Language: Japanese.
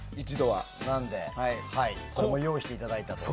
なので、用意していただいたと。